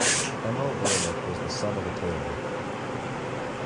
Emil Orlik was the son of a tailor.